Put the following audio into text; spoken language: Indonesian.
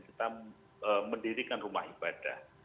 kita mendirikan rumah ibadah